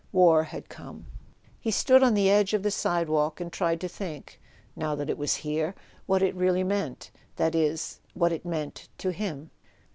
War had come. He stood on the edge of the sidewalk, and tried to think—now that it was here—what it really meant: that is, what it meant to him.